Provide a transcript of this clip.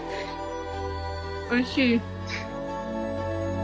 おいしい！